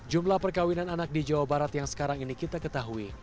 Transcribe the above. jumlah perkawinan anak di jawa barat yang sekarang ini kita ketahui